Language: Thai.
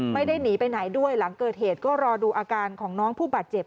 ไม่ได้หนีไปไหนด้วยหลังเกิดเหตุก็รอดูอาการของน้องผู้บาดเจ็บ